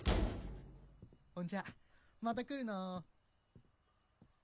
・ほんじゃまた来るの。